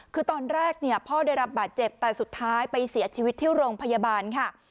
คือตอนแรกเนี่ยพ่อได้รับบาดเจ็บแต่สุดท้ายไปเสียชีวิตที่โรงพยาบาลค่ะ